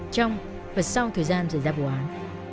trong và sau thời gian rời ra vụ án